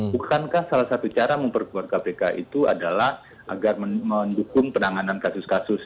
bukankah salah satu cara memperkuat kpk itu adalah agar mendukung penanganan kasus kasus